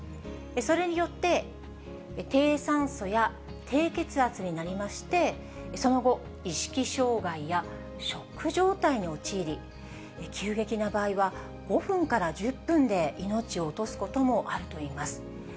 それによって低酸素や低血圧になりまして、その後、意識障害やショック状態に陥り、急激な場合は５分から１０分で命を落とすこともあるといいます。